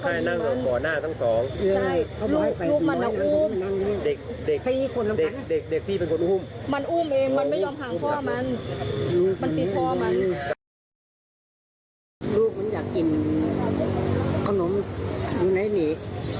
พี่พ่อมันลูกมันอยากกินขนมอยู่ไหนหนี